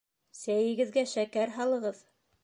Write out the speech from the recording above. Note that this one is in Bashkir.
Сәйегеҙгә шәкәр һалығыҙ!